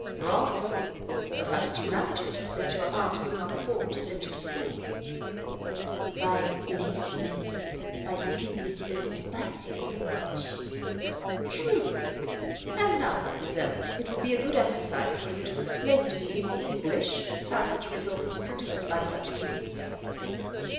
"Bravo! but how did you manage it, since your aunt could not afford to send you to school?" "By lace mending; by the thing monsieur despises so much." "Truly! And now, mademoiselle, it will be a good exercise for you to explain to me in English how such a result was produced by such means."